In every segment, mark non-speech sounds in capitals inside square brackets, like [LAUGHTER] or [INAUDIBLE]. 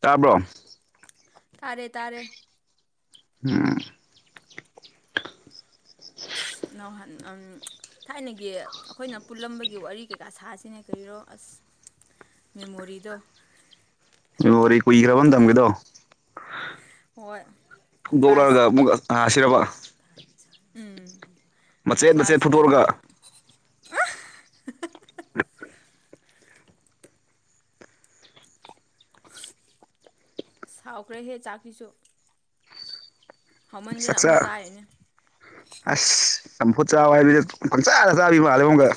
ꯇꯥꯕ꯭ꯔꯣ ꯇꯥꯔꯦ ꯇꯥꯔꯦ ꯎꯝ ꯑꯁ ꯅꯍꯥꯟ ꯎꯝ ꯊꯥꯏꯅꯒꯤ ꯑꯩꯈꯣꯏꯅ ꯄꯨꯜꯂꯝꯕꯒꯤ ꯋꯥꯔꯤ ꯀꯩꯀꯥ ꯁꯥꯁꯤꯅꯦ ꯀꯔꯤꯔꯣ ꯑꯁ ꯃꯦꯃꯣꯔꯤꯗꯣ ꯋꯥꯔꯤ ꯀꯨꯏꯈ꯭ꯔꯕ ꯑꯃ ꯇꯝꯒꯦꯗꯣ ꯍꯣꯏ ꯀ꯭ꯂꯥꯁ ꯗꯣꯛꯂꯛꯔꯒ ꯑꯃꯨꯛ ꯑꯥ ꯁꯤꯔꯕ ꯎꯝ ꯃꯆꯦꯠ ꯃꯆꯦꯠ ꯀ꯭ꯂꯥꯁ ꯑ ꯐꯨꯠꯇꯣꯛꯑꯒ [INAUDIBLE] ꯁꯥꯎꯈ꯭ꯔꯦꯍꯦ ꯆꯥꯛꯀꯤꯁꯨ ꯑꯃꯨꯛ ꯆꯥꯛꯆꯥ ꯆꯥꯔꯤꯅꯦ ꯑꯁ ꯆꯝꯐꯨꯠ ꯆꯥꯎ ꯍꯥꯏꯕꯁꯦ ꯄꯪꯆꯥꯗ ꯆꯥꯕꯤ ꯃꯥꯜꯂꯦ ꯑꯃꯨꯀ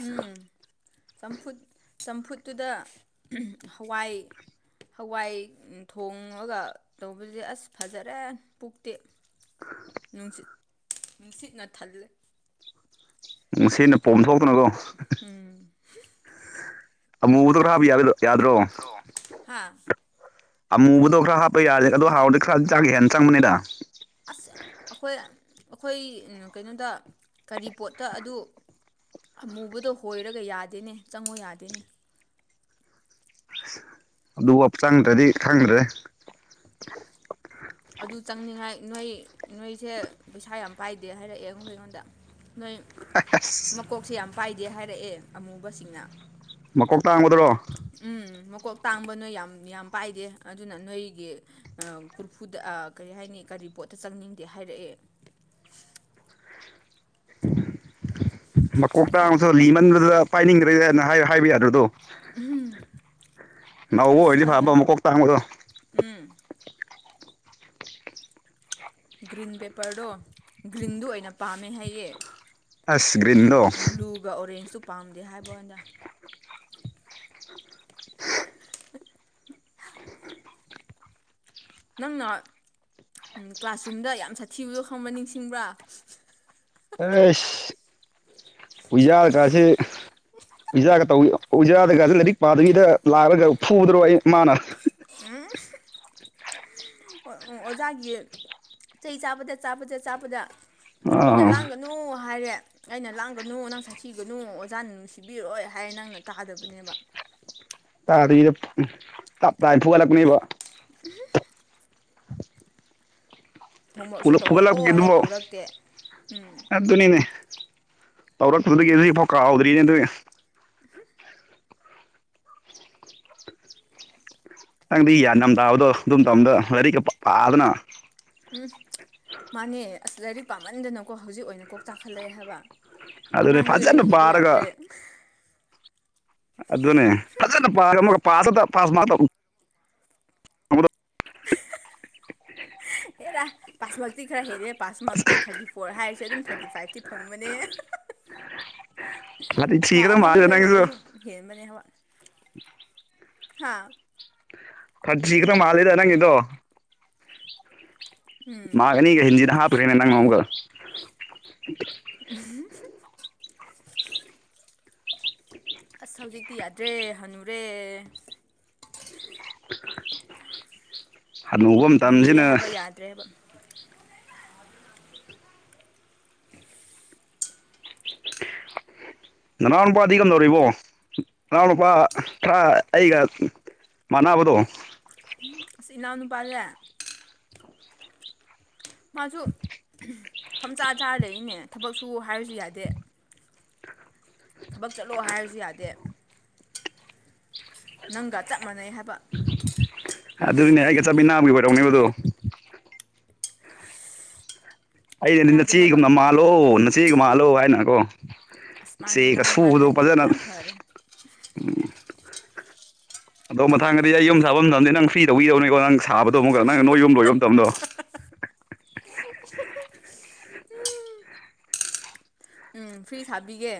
ꯎꯝ ꯆꯝꯐꯨꯠ ꯆꯝꯐꯨꯠꯇꯨꯗ ꯍꯋꯥꯏ ꯍꯋꯥꯏ ꯊꯣꯡꯉꯒ ꯇꯧꯕꯁꯦ ꯑꯁ ꯐꯖꯔꯦ ꯄꯨꯛꯇꯤ ꯅꯨꯡꯁꯤꯠ ꯅꯨꯡꯁꯤꯠꯅ ꯊꯜꯂꯦ ꯅꯨꯡꯁꯤꯠꯅ ꯄꯣꯝꯊꯣꯛꯇꯅꯀꯣ ꯑꯃꯨꯕꯗꯣ ꯉꯕ ꯌꯥ ꯌꯥꯗ꯭ꯔꯣ ꯭ꯔꯣ ꯍꯥ ꯑꯃꯨꯕꯗꯣ ꯈꯔ ꯍꯥꯞꯄ ꯌꯥꯔꯦ ꯑꯗꯣ ꯍꯥꯎꯔꯗꯤ ꯈꯔꯗꯤ ꯆꯥꯛꯒ ꯍꯦꯟꯅ ꯆꯪꯕꯅꯤꯗ ꯑꯁ ꯑꯩꯈꯣꯏ ꯑꯩꯈꯣꯏ ꯀꯩꯅꯣꯗ ꯀꯔꯤ ꯄꯣꯠꯇ ꯑꯗꯨ ꯑꯃꯨꯕꯗꯣ ꯍꯣꯏꯔꯒ ꯌꯥꯗꯦꯅꯦ ꯆꯪꯉꯨ ꯌꯥꯗꯦꯅꯦ ꯑꯗꯨ ꯐꯧ ꯆꯪꯗ꯭ꯔꯗꯤ ꯈꯪꯗ꯭ꯔꯦ ꯑꯗꯨ ꯆꯪꯅꯤꯡꯉꯥꯏ ꯅꯣꯏ ꯅꯣꯏꯁꯦ ꯄꯩꯁꯥ ꯌꯥꯝ ꯄꯥꯏꯗꯦ ꯍꯥꯏꯔꯛꯑꯦ ꯑꯩꯈꯣꯏꯉꯣꯟꯗ ꯅꯣꯏ ꯑꯁ ꯃꯀꯣꯛꯁꯦ ꯌꯥꯝ ꯄꯥꯏꯗꯦ ꯍꯥꯏꯔꯛꯑꯦ ꯑꯃꯨꯕꯁꯤꯡꯅ ꯃꯀꯣꯛ ꯇꯥꯡꯕꯗꯨꯔꯣ ꯎꯝ ꯃꯀꯣꯛ ꯇꯥꯡꯕ ꯅꯣꯏ ꯌꯥꯝ ꯌꯥꯝ ꯄꯥꯏꯗꯦ ꯑꯗꯨꯅ ꯅꯣꯏꯒꯤ ꯑ ꯀꯣꯔꯐꯨꯗ ꯑ ꯀꯔꯤ ꯍꯥꯏꯅꯤ ꯀꯔꯤ ꯄꯣꯠꯇ ꯆꯪꯅꯤꯡꯗꯦ ꯍꯥꯏꯔꯛꯑꯦ ꯃꯀꯣꯛ ꯇꯥꯡꯕꯗꯣ ꯂꯤꯃꯟꯕꯗꯨꯗ ꯄꯥꯏꯅꯤꯡꯗ꯭ꯔꯦꯗꯅ ꯍꯥꯏꯕ ꯍꯥꯏꯕ ꯌꯥꯗ꯭ꯔꯗꯣ ꯅꯧꯕ ꯑꯁ ꯑꯣꯏꯗꯤ ꯈꯪꯗꯦ ꯐꯥꯕ ꯃꯀꯣꯛ ꯇꯥꯡꯕꯗꯣ ꯎꯝ ꯒ꯭ꯔꯤꯟ ꯄꯦꯄꯔꯗꯣ ꯒ꯭ꯔꯤꯟꯗꯨ ꯑꯣꯏꯅ ꯄꯥꯝꯃꯦ ꯍꯥꯏꯌꯦ ꯑꯁ ꯒ꯭ꯔꯤꯟꯗꯣ ꯑꯗꯨꯒ ꯑꯣꯔꯦꯟꯖꯇꯨ ꯄꯥꯝꯗꯦ ꯍꯥꯏꯕꯋꯅꯦꯗ ꯅꯪꯅ ꯎꯝ ꯀ꯭ꯂꯥꯁꯔꯨꯝꯗ ꯌꯥꯝ ꯁꯥꯊꯤꯕꯗꯣ ꯈꯪꯕ꯭ꯔꯥ ꯅꯤꯡꯁꯤꯡꯕ꯭ꯔꯥ ꯑꯦꯁ ꯎꯌꯥꯥ ꯀꯁꯦ ꯑꯣꯖꯥꯒ ꯇꯧ ꯑꯣꯖꯥꯒꯩꯒꯁꯨ ꯂꯥꯏꯔꯤꯛ ꯄꯥꯗꯕꯤꯗ ꯂꯥꯛꯑꯒ ꯐꯨꯕꯗꯨꯔꯣ ꯑꯩ ꯃꯥꯅ ꯎꯝ ꯑꯣꯖꯥꯒꯤ ꯆꯩ ꯆꯥꯕꯗ ꯆꯥꯕꯗ ꯆꯥꯕꯗ ꯑꯩꯈꯣꯏꯅ ꯑꯥ ꯂꯥꯡꯒ ꯅꯨ ꯍꯥꯏꯔꯦ ꯑꯩꯅ ꯂꯥꯡꯒꯅꯨ ꯅꯪ ꯁꯥꯊꯤꯒꯅꯨ ꯑꯣꯖꯥꯅ ꯅꯨꯡꯁꯤꯕꯤꯔꯣꯏ ꯍꯥꯏꯔꯦ ꯅꯪꯅ ꯇꯥꯗꯕꯅꯦꯕ ꯇꯗꯔꯤꯗ ꯑꯝ ꯇꯝ ꯇꯥꯏ ꯐꯨꯒꯠꯂꯛꯄꯅꯦꯕꯣ ꯎꯝ [INAUDIBLE] ꯍꯣꯝꯋꯔꯛꯁꯨ ꯇꯧꯔꯛꯑꯣ ꯍꯥꯏ ꯐꯨꯒꯠꯂꯛꯄꯒꯤꯗꯨꯐꯥꯎ ꯇꯧꯔꯛꯇꯦ ꯎꯝ ꯑꯗꯨꯅꯤꯅꯦ ꯇꯧꯔꯛꯄꯗꯒꯤ ꯍꯧꯖꯤꯛꯐꯥꯎ ꯀꯥꯎꯗ꯭ꯔꯤꯅꯦ ꯑꯗꯨ [UNINTELLIGIBLE] ꯅꯪꯗꯤ ꯒ꯭ꯌꯥꯟ ꯌꯥꯝꯅ ꯇꯥꯕꯗꯣ ꯑꯗꯨꯝ ꯃꯇꯝꯗ ꯂꯥꯏꯔꯤꯛꯀ ꯄꯥꯗꯅ ꯎꯝ ꯃꯥꯅꯦ ꯑꯁ ꯂꯥꯏꯔꯤꯛ ꯄꯥꯝꯃꯟꯗꯅꯀꯣ ꯍꯧꯖꯤꯛ ꯑꯣꯏꯅ ꯀꯣꯛ ꯆꯥꯛꯈꯠꯂꯛꯑꯦ ꯍꯥꯏꯕ ꯑꯗꯨꯅꯦ ꯑꯉꯥꯡꯗ ꯐꯖꯅ ꯂꯥꯏꯔꯤꯛ ꯍꯩꯕ ꯄꯥꯔꯒ ꯌꯥꯗ꯭ꯔꯦ ꯑꯗꯨꯅꯦ ꯐꯖꯅ ꯄꯥꯔꯝꯄꯒ ꯄꯥꯁ ꯈꯇ ꯄꯥꯁ ꯃꯥꯛ ꯇ [UNINTELLIGIBLE] ꯑꯦꯔꯥ ꯄꯥꯁꯃꯛꯇꯤ ꯈꯔ ꯍꯦꯜꯂꯦ ꯄꯥꯁꯃꯛꯇꯣ ꯊꯥꯔꯇꯤ ꯐꯣꯔ ꯍꯥꯏꯔꯁꯦ ꯑꯗꯨꯝ ꯊꯥꯔꯇꯤ ꯐꯥꯏꯇꯤ ꯐꯪꯕꯅꯦ ꯇꯧꯕꯗꯣ ꯃꯥꯛ ꯊꯤꯒꯗꯕ ꯑꯃ ꯃꯥꯜꯂꯦꯗ ꯈꯇꯪ ꯅꯪꯁꯨ ꯑꯣꯏꯔꯁꯨ ꯍꯦꯟꯕꯅꯦ ꯍꯋꯥ ꯍꯥꯥ ꯀꯟꯗ꯭ꯔꯤꯒꯗꯕ ꯃꯥꯜꯂꯦꯗ ꯅꯪꯒꯤꯗꯣ ꯃꯥꯒꯅꯤꯒ ꯍꯤꯟꯖꯤꯗ ꯍꯥꯞꯄꯨꯔꯦꯅꯦ ꯅꯪ ꯑꯃꯨꯒ ꯎꯝ ꯑꯁ ꯍꯧꯖꯤꯛꯇꯤ ꯌꯥꯗ꯭ꯔꯦ ꯍꯜꯅꯨꯔꯦ ꯍꯅꯨꯕ ꯃꯇꯝꯁꯤꯅ ꯌꯥꯗ꯭ꯔꯦꯕꯥꯥ ꯅꯅꯥꯎ ꯅꯨꯄꯥꯗꯤ ꯀꯝꯗꯧꯔꯤꯕꯅꯣ ꯅꯅꯥꯎ ꯅꯨꯨꯄꯥ ꯈꯔꯥ ꯑꯩꯒ ꯃꯅꯥꯕꯗꯣ ꯑꯁ ꯏꯅꯥꯎꯅꯨꯄꯥꯁꯦ ꯃꯥꯁꯨ ꯐꯝꯆꯥ ꯆꯥꯔ ꯂꯩꯌꯦꯅꯦ ꯊꯕꯛ ꯁꯨ ꯍꯥꯏꯔꯁꯨ ꯌꯥꯗꯦ ꯊꯕꯛ ꯆꯠꯂꯣ ꯍꯥꯏꯔꯁꯨ ꯌꯥꯗꯦ ꯅꯪꯒ ꯆꯞ ꯃꯥꯟꯅꯩ ꯍꯥꯏꯕ ꯑꯗꯨꯅꯦ ꯑꯩꯒ ꯆꯥꯃꯤꯟꯅꯥꯕꯒꯤ ꯑꯣꯏꯔꯝꯒꯅꯤꯕꯗꯣ ꯑꯩꯅꯗꯤ ꯌꯥꯗꯦ ꯍꯥꯏꯕ ꯅꯆꯦꯒꯨꯝꯅ ꯃꯥꯜꯂꯣ ꯅꯆꯦꯒ ꯃꯥꯜꯂꯣ ꯍꯥꯏꯅꯀꯣ ꯑꯁ ꯃꯥꯅꯦ ꯆꯦ ꯅꯪ ꯑꯗꯨꯃꯥꯏꯅ ꯑꯁꯨꯕꯗꯨꯣ ꯍꯥꯏꯕꯤꯕꯗꯣ ꯐꯖꯅ ꯌꯥꯝ ꯐꯔꯦ ꯑꯗꯣ ꯃꯊꯥꯡꯗꯗꯤ ꯑꯩ ꯌꯨꯝ ꯁꯥꯕ ꯉꯝꯗꯦ ꯅꯪ ꯐ꯭ꯔꯤ ꯇꯧꯕꯤꯗꯧꯅꯤꯀꯣ ꯅꯪ ꯁꯥꯕꯗꯣ ꯑꯃꯨꯛꯀ ꯅꯪ ꯅꯣꯏ ꯌꯨꯝ ꯂꯣꯏꯕ ꯃꯇꯝꯗꯣ ꯎꯝ ꯐ꯭ꯔꯤ ꯁꯥꯕꯤꯒꯦ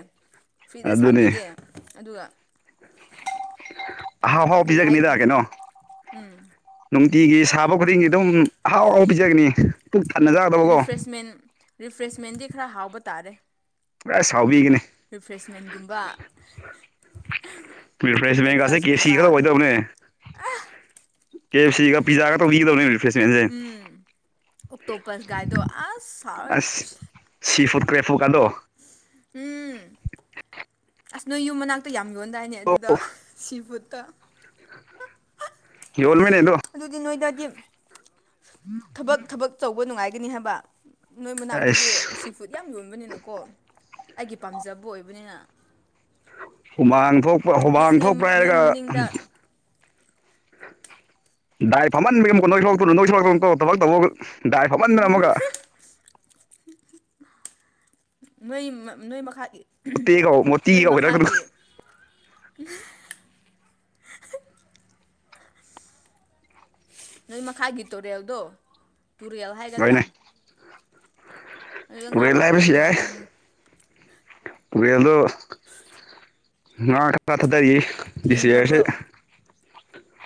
ꯐ꯭ꯔꯤꯗ ꯑꯗꯨꯅꯤ ꯁꯥꯕꯤꯒꯦ ꯑꯗꯨꯒ ꯑꯍꯥꯎ ꯑꯍꯥꯎ ꯀꯔꯤ ꯍꯥꯏ ꯄꯤꯖꯥꯒꯥꯅꯤꯗ ꯀꯩꯅꯣ ꯅꯨꯡꯇꯤꯒꯤ ꯁꯥꯕ ꯈꯨꯗꯤꯡꯒꯤ ꯑꯗꯨꯝ ꯑꯍꯥꯎ ꯍꯥꯎ ꯄꯤꯖꯒꯅꯤ ꯄꯨꯛ ꯊꯥꯟꯅꯖ ꯔꯤꯐ꯭ꯔꯦꯁꯃꯦꯟ ꯔꯤꯐ꯭ꯔꯦꯁꯃꯦꯟꯗꯤ ꯈꯔ ꯍꯥꯎꯕ ꯇꯥꯔꯦ ꯄꯨꯔꯥ ꯁꯥꯎꯕꯤꯒꯅꯤ ꯔꯤꯐ꯭ꯔꯦꯁꯃꯦꯟꯒꯨꯝꯕ ꯔꯤꯐ꯭ꯔꯦꯁ ꯕꯦꯡꯒꯥꯁꯦ ꯀꯦꯁꯤ ꯕ꯭ꯔꯦꯛꯐꯥꯁꯀꯨꯝꯕ ꯈꯔ ꯑꯣꯏꯗꯧꯕꯅꯦ ꯀꯞ ꯁꯤꯒ ꯄꯤꯖꯥꯒ ꯇꯧꯕꯤꯗꯧꯅꯦ ꯎꯝ ꯑꯣꯛꯇꯣꯄꯣꯁ ꯑꯁ ꯍꯥꯎꯔꯅꯤ ꯑꯁ ꯁꯤ ꯐꯨꯠ ꯀ꯭ꯔꯦꯐꯣ ꯀꯗꯣ ꯎꯝ ꯑꯁ ꯅꯣꯏ ꯌꯨꯝ ꯃꯅꯥꯛꯇꯥ ꯌꯥꯝ ꯌꯣꯟꯗꯥꯏꯅꯦ ꯑꯗꯨꯗꯣ ꯁꯤꯐꯨꯠꯇꯣ ꯌꯣꯜꯃꯤꯅꯦ ꯑꯗꯣ ꯑꯗꯨꯗꯤ ꯅꯣꯏꯗꯗꯤ ꯊꯕꯛ ꯊꯕꯛ ꯇꯧꯕ ꯅꯨꯡꯉꯥꯏꯒꯅꯤ ꯍꯥꯏꯕ ꯅꯣꯏ ꯃꯅꯥꯛꯇꯨꯗꯤ ꯑꯩꯁ ꯁꯤ ꯐꯨꯗ ꯌꯥꯝ ꯌꯣꯟꯕꯅꯤꯅꯀꯣ ꯑꯩꯒꯤ ꯄꯥꯝꯖꯕ ꯑꯣꯏꯕꯅꯤꯅ ꯍꯨꯃꯥꯡ ꯊꯣꯛꯄ ꯍꯦꯛ ꯍꯨꯃꯥꯡ ꯅꯣꯏ ꯊꯣꯛꯄ꯭ꯔꯥ ꯅꯣꯏ ꯍꯥꯏꯔꯒ ꯃꯅꯤꯡꯗ ꯗꯥꯏ ꯐꯝꯍꯟꯕꯤꯃꯨꯀꯣ ꯅꯣꯏ ꯁꯣꯂꯛꯄꯇꯨꯅ ꯅꯣꯏ ꯁꯣꯂꯛꯇꯨꯀꯣ ꯊꯕꯛ ꯇꯧꯕꯛ ꯗꯥꯏ ꯐꯝꯍꯟꯕꯅ ꯑꯃꯨꯒ ꯍꯤꯛ ꯍꯤꯛ ꯑꯥ ꯅꯣꯏ ꯃꯛ ꯅꯣꯏ ꯃꯈꯥ ꯏ ꯎꯟꯍꯨ ꯃꯣꯇꯦꯒ ꯅꯣꯏ ꯃꯣꯇꯤꯒ ꯑꯣꯏꯔꯛꯇꯅ ꯃꯈꯥꯒꯤ ꯅꯣꯏ ꯃꯈꯥꯏꯒꯤ ꯇꯨꯔꯦꯜꯗꯣ ꯇꯨꯔꯦꯜ ꯍꯥꯏꯒꯗ꯭ꯔꯥ ꯂꯣꯏꯅꯦ ꯑꯗꯨꯗ ꯉꯥ ꯇꯨꯔꯦꯜ ꯐꯥꯕ ꯌꯥꯝ ꯍꯥꯏꯕꯁꯤ ꯅꯨꯡꯉꯥꯏꯕꯅꯤꯅꯦ ꯐꯨꯔꯦꯜꯗꯣ ꯑꯁ ꯁꯤ ꯉ ꯈꯛꯇꯥ ꯊꯗꯔꯤ ꯗꯤꯁꯤ ꯍꯥꯏꯁꯦ ꯊꯤꯡꯈ꯭ꯔꯕ꯭ꯔꯣ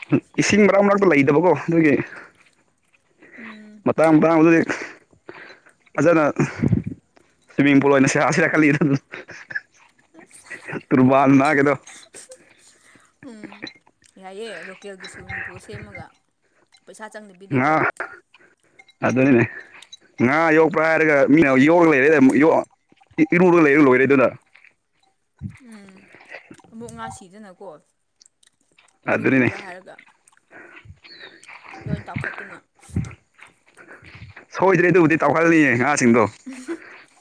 ꯍꯨꯚ ꯏꯁꯤꯡ ꯃꯔꯥꯡ ꯃꯔꯛꯇ ꯂꯩꯗꯕꯀꯣ ꯅꯣꯏꯒꯤ ꯎꯝ ꯃꯇꯥꯡ ꯃꯇꯥꯡꯗꯨꯗꯤ ꯐꯖꯅ ꯎꯍꯨꯡ ꯁ꯭ꯋꯤꯃꯤꯡ ꯄꯨꯜ ꯑꯣꯏꯅ ꯁꯤꯔꯁꯤꯔ ꯀꯜꯂꯤ ꯎꯝ ꯑꯁ ꯍꯥꯍꯥꯍꯥ ꯋꯥꯜ ꯃꯥꯅꯥꯒꯦꯗꯣ ꯎꯝ ꯌꯥꯏꯑꯦ ꯂꯣꯀꯦꯜꯒꯤ ꯁ꯭ꯋꯤꯃꯤꯡꯄꯣ ꯁꯦꯝꯃꯒ ꯄꯩꯁꯥ ꯆꯪꯗꯕꯤ ꯉꯥ ꯑꯗꯨꯅꯦ ꯉꯥ ꯌꯣꯛꯄ꯭ꯔꯥ ꯍꯥꯏꯔꯒ ꯃꯤꯅ ꯌꯣꯛꯂꯩꯔꯦꯒ ꯑꯃꯨꯛ ꯌꯣꯛꯑꯣ ꯏ ꯏꯔꯨꯔꯒ ꯂꯩꯔ ꯂꯣꯏꯔꯦ ꯑꯗꯨꯅ ꯎꯝ ꯑꯃꯨꯛ ꯉꯥ ꯁꯤꯗꯅ ꯀꯣ ꯑꯗꯨꯅꯤꯅꯦ ꯏꯔꯨꯕꯤꯕ꯭ꯔꯥ ꯍꯥꯏꯔꯒ ꯂꯣꯏ ꯇꯥꯎꯈꯠꯇꯅ ꯁꯣꯏꯗ꯭ꯔꯦ ꯑꯗꯨꯕꯨꯗꯤ ꯇꯥꯎꯍꯜꯂꯤꯑꯦ ꯉꯥꯁꯤꯡꯗꯣ [UNINTELLIGIBLE]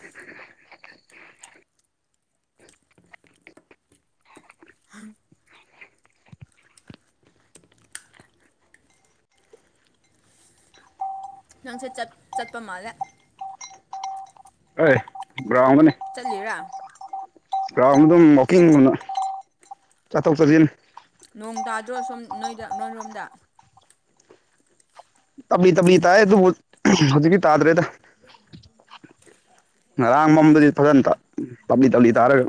ꯅꯪꯁꯦ ꯆꯠ ꯆꯠꯄ ꯃꯥꯜꯂꯦ ꯑꯩ [UNINTELLIGIBLE] ꯆꯠꯂꯤꯔꯥ [UNINTELLIGIBLE] ꯑꯗꯨꯝ ꯋꯥꯛꯀꯤꯡ [UNINTELLIGIBLE] ꯆꯠꯊꯣꯛ ꯆꯠꯁꯤꯟ ꯅꯣꯡ ꯇꯥꯗ꯭ꯔꯣ ꯁꯣꯝ ꯅꯣꯏꯗ ꯅꯣꯏꯔꯣꯝꯗ ꯇꯞꯂꯤ ꯇꯞꯂꯤ ꯇꯥꯌꯦ ꯑꯗꯨ ꯍꯧꯖꯤꯛꯇꯤ ꯇꯥꯗ꯭ꯔꯦꯗ ꯉꯔꯥꯡ ꯃꯝꯕꯥꯗꯤ ꯐꯖꯅ ꯇꯞꯂꯤ ꯇꯞꯂꯤ ꯇꯥꯔꯒ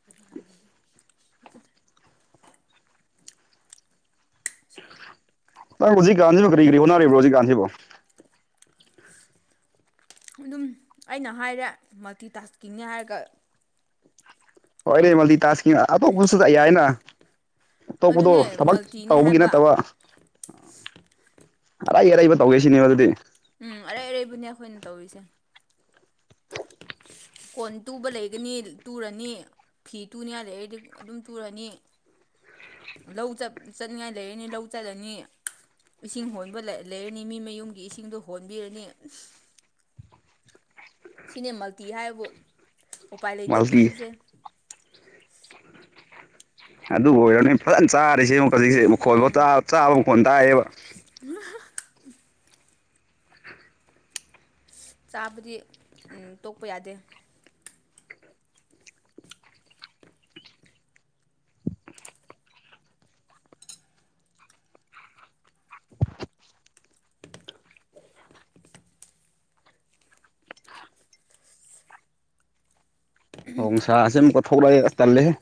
[UNINTELLIGIBLE] ꯅꯪ ꯍꯧꯖꯤꯛꯀꯥꯟꯁꯤ ꯀꯔꯤ ꯀꯔꯤ ꯍꯣꯅꯔꯤꯕ꯭ꯔꯣ ꯍꯧꯖꯤꯀꯥꯟꯁꯤꯕꯨ ꯑꯗꯨꯝ ꯑꯩꯅ ꯍꯥꯏꯔꯦ ꯃꯜꯇꯤ ꯇꯥꯁꯀꯤꯡꯅꯦ ꯍꯥꯏꯔꯒ ꯍꯣꯏꯅꯦ ꯃꯜꯗꯤ ꯇꯥꯁꯀꯤꯡ ꯑꯇꯣꯞꯄꯁꯨ ꯌꯥꯏꯅ ꯇꯣꯛꯄꯗꯣ ꯑꯗꯨꯅꯦ ꯊꯕꯛ ꯃꯜꯇꯤꯅꯦ ꯇꯧꯕꯒꯤ ꯍꯥꯏꯕ ꯅꯠꯇꯕ ꯑꯔꯩ ꯑꯔꯩꯕ ꯇꯧꯒꯦ ꯁꯤꯅꯦꯕ ꯑꯗꯨꯗꯤ ꯎꯝ ꯑꯔꯩ ꯑꯔꯩꯕꯅꯦ ꯑꯩꯈꯣꯏꯅ ꯇꯧꯔꯤꯁꯦ ꯀꯣꯟ ꯇꯨꯕ ꯂꯩꯒꯅꯤ ꯇꯨꯔꯅꯤ ꯐꯤ ꯇꯨꯅꯤꯉꯥꯏ ꯂꯩꯔꯗꯤ ꯑꯗꯨꯝ ꯇꯨꯔꯅꯤ ꯂꯧ ꯆꯠ ꯆꯠꯅꯤꯡꯉꯥꯏ ꯂꯩꯔꯅꯤ ꯂꯧ ꯆꯠꯂꯅꯤ ꯏꯁꯤꯡ ꯍꯣꯟꯕ ꯂꯩ ꯂꯩꯔꯅꯤ ꯃꯤ ꯃꯌꯨꯝꯒꯤ ꯏꯁꯤꯡꯗꯣ ꯍꯣꯟꯕꯤꯔꯅꯤ ꯁꯤꯅꯦ ꯃꯜꯇꯤ ꯍꯥꯏꯕꯕꯨ ꯎꯄꯥꯏ ꯂꯩꯇꯦ ꯃꯜꯇꯤ ꯄꯨꯟꯁꯤꯁꯦ ꯑꯗꯨ ꯑꯣꯏꯔꯅꯤ ꯐꯖꯅ ꯆꯥꯔꯤꯁꯦ ꯌꯦꯡꯉꯣ ꯍꯧꯖꯤꯛꯁꯦ ꯃꯈꯣꯟꯐꯥꯎ ꯇꯥ ꯆꯥꯕ ꯃꯈꯣꯟ ꯇꯥꯏꯌꯦꯕ [UNINTELLIGIBLE] ꯆꯥꯕꯗꯤ ꯎꯝ ꯇꯣꯛꯄ ꯌꯥꯗꯦ ꯅꯣꯡꯁꯥꯁꯦ ꯑꯃꯨꯛꯀ ꯊꯣꯛꯂꯛꯑꯦ ꯑꯁ ꯇꯜꯂꯦꯍꯦ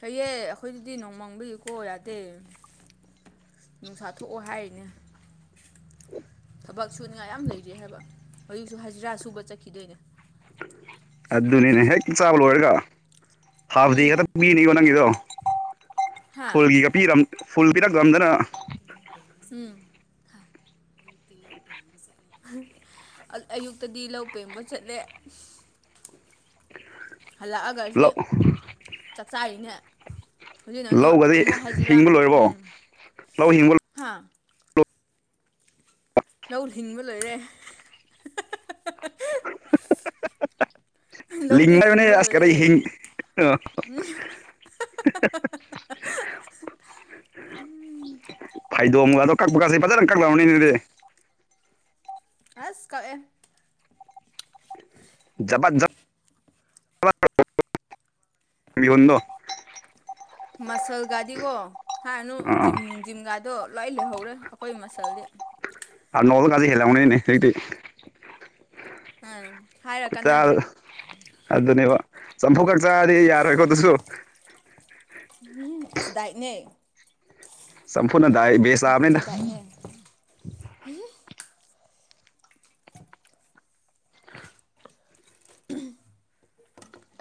ꯐꯩꯌꯦ ꯑꯩꯈꯣꯏꯗꯗꯤ ꯅꯣꯡꯃꯪꯕꯒꯤꯀꯣ ꯌꯥꯗꯦ ꯅꯨꯡꯁꯥ ꯊꯣꯛꯑꯣ ꯍꯥꯏꯔꯤꯅꯦ ꯊꯕꯛ ꯁꯨꯅꯤꯉꯥꯏ ꯌꯥꯝ ꯂꯩꯔꯤ ꯍꯥꯏꯕ ꯍꯧꯖꯤꯛꯁꯨ ꯍꯖꯤꯔꯥ ꯁꯨꯕ ꯆꯠꯈꯤꯗꯣꯏꯅꯦ ꯑꯗꯨꯅꯤꯅꯦ ꯍꯦꯛ ꯆꯥꯕ ꯂꯣꯏꯔꯒ ꯍꯥꯕꯗꯤ ꯎꯝ ꯍꯦꯛꯇ ꯀꯨꯏ ꯅꯪꯒꯤꯗꯣ ꯍꯥ ꯐꯨꯜꯒꯤꯒ ꯄꯤꯔꯝ ꯐꯨꯜ ꯄꯤꯔꯛꯒꯝꯗꯅ ꯎꯝ ꯑ ꯑꯌꯨꯛꯇꯗꯤ ꯂꯧ ꯄꯦꯡꯕ ꯆꯠꯂꯦ ꯍꯜꯂꯛꯑꯒ ꯑꯁꯤ ꯂꯧ ꯆꯥꯛ ꯆꯥꯔꯤꯅꯦ ꯍꯧꯖꯤꯅꯅꯨ ꯂꯧꯒꯗꯤ ꯑꯃꯨꯛ ꯍꯥꯏꯖꯤꯔꯥ ꯍꯤꯡꯕ ꯂꯣꯏꯔꯕꯣ ꯎꯝ ꯂꯧ ꯍꯤꯡꯕ ꯍꯥ ꯂꯧ ꯂꯤꯡꯕ ꯂꯣꯏꯔꯦ ꯂꯤꯡ ꯂꯧꯗꯤ ꯍꯥꯏꯕꯅꯦ ꯂꯤꯡꯕ ꯑꯁ ꯀꯔꯤ ꯂꯣꯏꯔꯦ ꯍꯤꯡ [UNINTELLIGIBLE] [UNINTELLIGIBLE] ꯐꯥꯏꯗꯣꯡꯒꯗꯣ ꯀꯛꯄ ꯀꯁꯦ ꯐꯖꯅ ꯀꯛ ꯂꯝꯒꯅꯤ ꯑꯗꯨꯗꯤ ꯑꯁ ꯀꯛꯑꯦ [UNINTELLIGIBLE] ꯃꯁꯜꯒꯗꯤꯀꯣ ꯍꯥꯏꯔꯅꯨ ꯑꯥ ꯖꯤꯝ ꯅꯨꯡ ꯖꯤꯝꯒꯥꯗꯣ ꯂꯣꯏ ꯂꯩꯍꯧꯔꯦ ꯑꯩꯈꯣꯏ ꯃꯁꯜꯗꯤ ꯑꯔꯅꯣꯜꯒꯁꯦ ꯍꯦꯜꯂꯝꯒꯅꯤꯅꯦ [UNINTELLIGIBLE] ꯑꯥ ꯍꯥꯏꯔ ꯈꯨꯠꯆꯥ ꯀꯥꯟꯅꯗ꯭ꯔꯦ ꯑꯗꯨꯅꯦꯕ ꯆꯝꯐꯨꯠ ꯈꯛ ꯆꯥꯔꯗꯤ ꯌꯥꯔꯣꯏꯀꯣ ꯑꯗꯨꯁꯨ ꯎꯝ ꯑꯁ ꯗꯥꯏꯠꯅꯦ ꯆꯝꯐꯨꯠꯅ ꯗꯥꯏ ꯕꯦꯁ ꯆꯝꯐꯨꯠꯁꯦ ꯇꯥꯕꯅꯤꯗ ꯗꯥꯏꯠꯅꯦ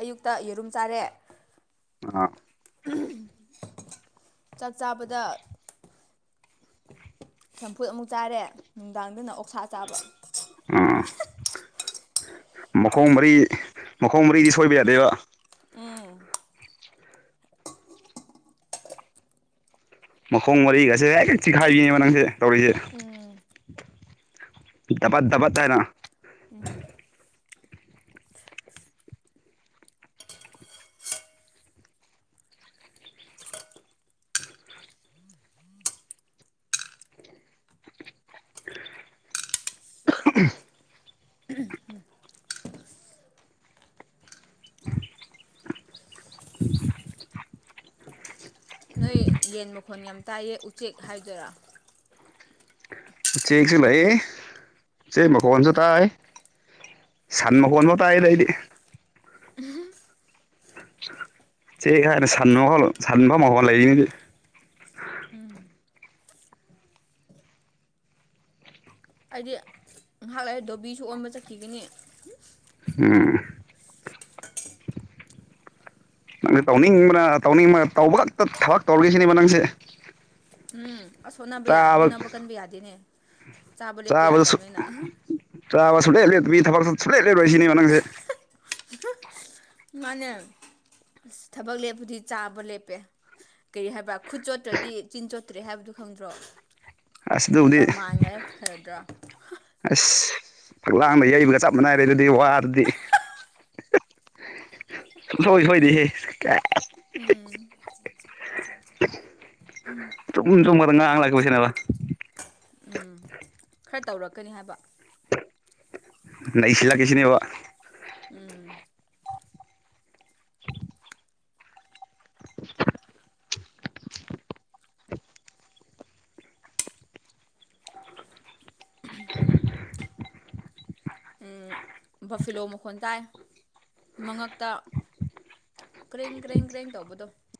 ꯑꯌꯨꯛꯇ ꯌꯦꯔꯨꯝ ꯆꯥꯔꯦ ꯑꯥ ꯎꯝ ꯆꯥꯛ ꯆꯥꯕꯗ ꯆꯝꯐꯨꯠ ꯑꯃꯨꯛ ꯆꯥꯔꯦ ꯅꯨꯡꯗꯥꯡꯗꯅ ꯑꯣꯛꯁꯥ ꯆꯥꯕ ꯑꯝ ꯃꯈꯣꯡ ꯃꯔꯤ ꯃꯈꯣꯡ ꯃꯔꯤꯗꯤ ꯁꯣꯏꯕ ꯌꯥꯗꯦꯕ ꯎꯝ ꯃꯈꯣꯡ ꯃꯔꯤꯒꯁꯦ ꯍꯦꯛ ꯍꯦꯛ ꯆꯤꯈꯥꯏꯕꯤꯅꯦꯕ ꯅꯪꯁꯦ ꯇꯧꯔꯤꯁꯦ ꯗꯕꯠ ꯗꯕꯠ ꯍꯥꯏꯔ ꯎꯝ [UNINTELLIGIBLE] [UNINTELLIGIBLE] ꯅꯣꯏ ꯌꯦꯟ ꯃꯈꯣꯟ ꯌꯥꯝ ꯇꯥꯏꯌꯦ ꯎꯆꯦꯛ ꯍꯥꯏꯗꯣꯏꯔꯥ ꯎꯆꯦꯛꯁꯨ ꯂꯩꯌꯦ ꯎꯆꯦꯛ ꯃꯈꯣꯟꯁꯨ ꯇꯥꯏ ꯁꯟ ꯃꯈꯣꯟꯕꯧ ꯇꯥꯏꯗ ꯑꯩꯗꯤ [UNINTELLIGIBLE] ꯎꯝ ꯑꯩꯗꯤ ꯉꯥꯏꯍꯥꯛ ꯂꯩꯥꯔꯒ ꯗꯣꯕꯤꯁꯨ ꯑꯣꯟꯕ ꯆꯠꯈꯤꯒꯅꯤ ꯎꯝ ꯅꯪꯁꯦ ꯇꯧꯅꯤꯡꯕꯅ ꯇꯧꯅꯤꯡꯕ ꯇꯧꯕ ꯈꯛꯇ ꯊꯕꯛ ꯇꯧꯔꯒꯦꯁꯤꯅꯦꯕ ꯅꯪꯁꯦ ꯎꯝ ꯑꯁ ꯍꯣꯠꯅꯕ ꯌꯥ ꯆꯥꯕ ꯍꯣꯠꯅꯕ ꯀꯟꯕ ꯌꯥꯗꯦꯅꯦ ꯆꯥꯕ ꯂꯦꯞꯄ ꯆꯥꯕꯗ ꯌꯥꯗꯕꯅꯤꯅ ꯆꯥꯕ ꯁꯨꯛꯂꯦꯞ ꯂꯦꯞꯇꯕꯤ ꯊꯕꯛꯁꯨ ꯁꯨꯛꯂꯦꯞ ꯂꯦꯞꯂꯣꯏ ꯁꯤꯅꯦꯕ ꯅꯪꯁꯦ ꯃꯥꯅꯦ ꯑꯁ ꯊꯕꯛ ꯂꯦꯞꯄꯗꯤ ꯆꯥꯕ ꯂꯦꯞꯄꯦ ꯀꯔꯤ ꯍꯥꯏꯕ ꯈꯨꯠ ꯆꯣꯠꯇ꯭ꯔꯗꯤ ꯆꯤꯟ ꯆꯣꯠꯇ꯭ꯔꯦ ꯍꯥꯏꯕꯗꯨ ꯈꯪꯗ꯭ꯔꯣ ꯑꯁ ꯑꯗꯨꯕꯨꯗꯤ ꯄ꯭ꯔꯃꯥꯟꯒꯅ ꯐꯔꯗ꯭ꯔꯥ ꯑꯁ ꯐꯛꯂꯥꯡꯗ ꯌꯩꯕꯒ ꯆꯞ ꯃꯥꯟꯅꯥꯔꯦ ꯑꯗꯨꯗꯤ ꯋꯥꯗꯨꯗꯤ ꯁꯨꯡꯁꯣꯏ ꯁꯣꯏꯗꯦꯍꯦ ꯀꯥꯏ [UNINTELLIGIBLE] ꯑꯁ ꯆꯨꯝ ꯑꯆꯨꯝꯕ ꯉꯥꯛꯇ ꯉꯥꯡꯂꯛꯄꯁꯤꯅꯕ ꯎꯝ ꯈ꯭ꯔ ꯇꯧꯔꯛꯀꯅꯤ ꯍꯥꯏꯕ ꯅꯩꯁꯤꯜꯂꯒꯦ ꯁꯤꯅꯦꯕ [INAUDIBLE] ꯕꯐꯦꯂꯣ ꯃꯈꯣꯟ ꯇꯥꯏ ꯃꯉꯛꯇ ꯀ꯭ꯔꯦꯡ ꯀ꯭ꯔꯦꯡ ꯀ꯭ꯔꯦꯡ ꯇꯧꯕꯗꯣ